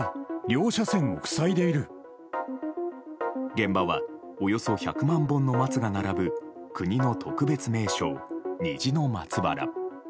現場はおよそ１００万本の松が並ぶ国の特別名勝・虹の松原。